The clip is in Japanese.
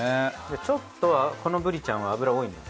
ちょっとこのブリちゃんは脂多いので。